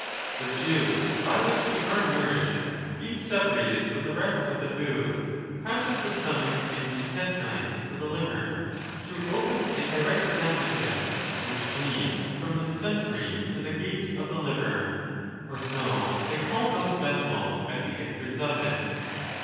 The juice,' by which we are nourished, being separated from the rest of the food, passes the stomach and intestines to the liver, through open and direct passages, which lead from the mesentery to the gates of the liver (for so they call those vessels at the en trance of it).